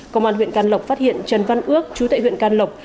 công an huyện can lộc phát hiện trần văn ước chú tệ huyện can lộc